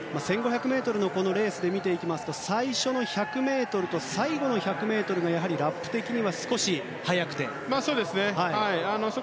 １５００ｍのレースで見ていきますと最初の１００ｍと最後の１００ｍはやはりラップ的には少し速いと。